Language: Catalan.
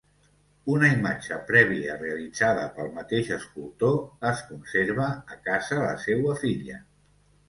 Una imatge prèvia realitzada pel mateix escultor es conserva a casa la seua filla.